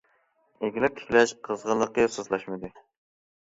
ئىگىلىك تىكلەش قىزغىنلىقى سۇسلاشمىدى.